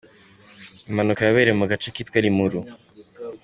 Impanuka yabereye mu gace kitwa Limuru.